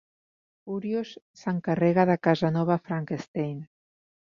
Furious s'encarrega de Casanova Frankenstein.